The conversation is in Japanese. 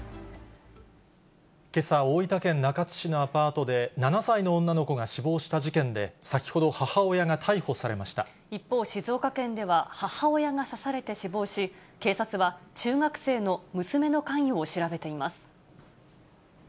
けさ、大分県中津市のアパートで、７歳の女の子が死亡した事件で、一方、静岡県では、母親が刺されて死亡し、警察は中学生の娘の関与を調べています。